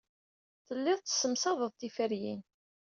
Tellid tessemsaded tiferyin.